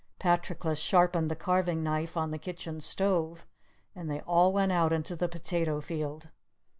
Patroclus sharpened the carving knife on the kitchen stove, and they all went out into the potato field.